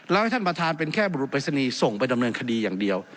แล้วให้ท่านประธานเป็นแค่บุรุษปริศนีย์ส่งไปดำเนินคดีอย่างเดียว